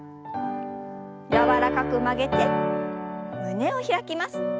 柔らかく曲げて胸を開きます。